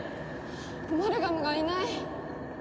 マルガムがいない。